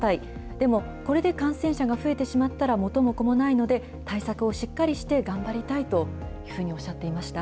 でもこれで感染者が増えてしまったら、元も子もないので、対策をしっかりして、頑張りたいというふうにおっしゃっていました。